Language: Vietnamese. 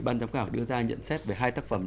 ban giám khảo đưa ra nhận xét về hai tác phẩm